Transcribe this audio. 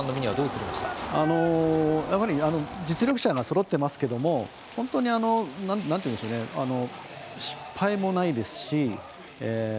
やはり実力者がそろっていますけども本当に、失敗もないですし。